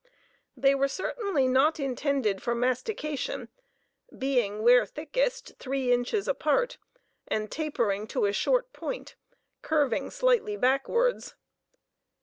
They were certainly not intended for mastication, being, where thickest, three inches apart, and tapering to a short point, curving slightly backwards.